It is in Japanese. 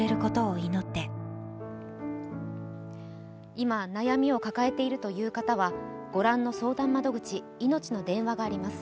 今、悩みを抱えているという方は、ご覧の相談窓口、いのちの電話があります。